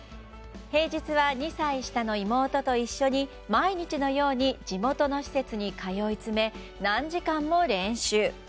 平日は２歳下の妹と一緒に毎日のように地元の施設に通い詰め何時間も練習。